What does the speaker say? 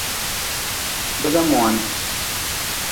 Biga moan.